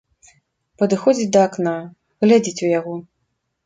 Падыходзіць да акна, глядзіць у яго.